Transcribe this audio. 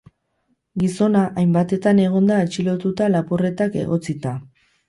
Gizona hainbatetan egon da atxilotuta lapurretak egotzita.